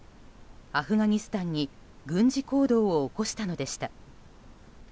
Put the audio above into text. アフガニスタンに軍事行動を起こしたのでした。